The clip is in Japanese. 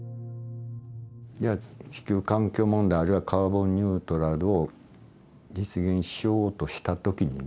地球環境問題あるいはカーボンニュートラルを実現しようとした時にね